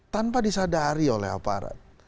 tanpa disadari oleh aparat